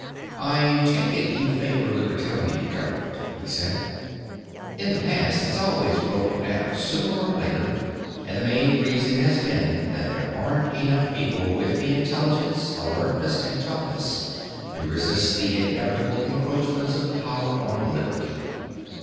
"I take it you favor libertarian government," he said. "In the past it's always broken down sooner or later and the main reason has been that there aren't enough people with the intelligence, alertness and toughness to resist the inevitable encroachments of power on liberty.